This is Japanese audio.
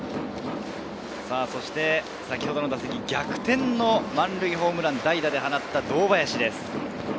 先ほどの打席、逆転満塁ホームランを放った堂林です。